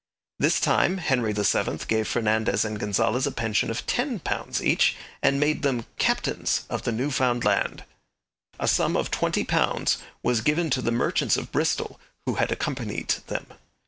This time Henry VII gave Fernandez and Gonzales a pension of ten pounds each, and made them 'captains' of the New Found Land. A sum of twenty pounds was given to the merchants of Bristol who had accompanied them.